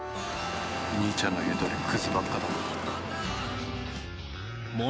兄ちゃんの言うとおりくずばっかだな。